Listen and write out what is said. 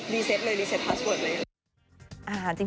รีเซ็ปเลยรีเซ็ปพาสเวิร์ดเลย